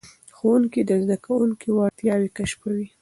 ښوونکي د زده کوونکو وړتیاوې کشفوي.